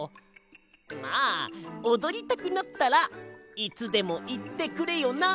まあおどりたくなったらいつでもいってくれよな！